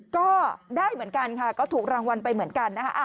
ก็ได้เหมือนกันค่ะก็ถูกรางวัลไปเหมือนกันนะคะ